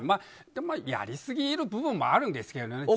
でも、やりすぎの部分もあるんですけどね。